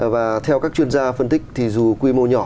và theo các chuyên gia phân tích thì dù quy mô nhỏ